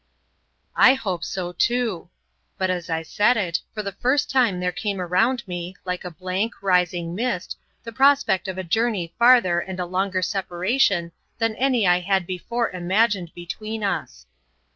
"I hope so, too." But as I said it, for the first time there came around me, like a blank, rising mist, the prospect of a journey farther and a longer separation than any I had before imagined between us.